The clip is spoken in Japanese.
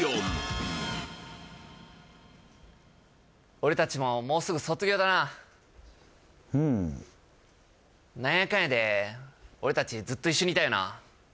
俺達ももうすぐ卒業だなうんなんやかんやで俺達ずっと一緒にいたよな